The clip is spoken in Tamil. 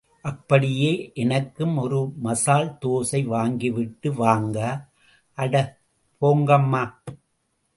அப்படியே எனக்கும் ஒரு மசால்தோசை வாங்கிட்டு வாங்க, அட போங்கம்மா.